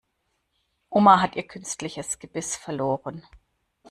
Oma hat ihr künstliches Gebiss verloren.